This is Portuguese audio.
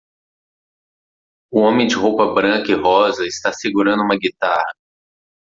O homem de roupa branca e rosa está segurando uma guitarra.